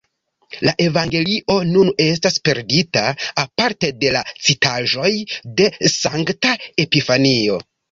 La evangelio nun estas perdita, aparte de la citaĵoj de sankta Epifanio.